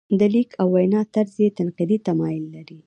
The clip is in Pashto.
د لیک او وینا طرز یې تنقیدي تمایل لري.